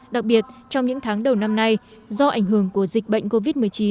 đặc biệt trong những tháng đầu năm nay do ảnh hưởng của dịch bệnh covid một mươi chín